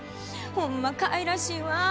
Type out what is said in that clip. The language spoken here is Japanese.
ホンマかいらしいわ。